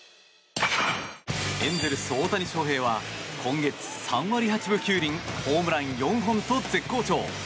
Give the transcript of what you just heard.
エンゼルス、大谷翔平は今月、３割８分９厘ホームラン４本と絶好調。